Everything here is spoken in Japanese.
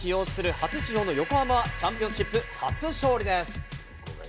初出場の横浜、チャンピオンシップ初勝利です。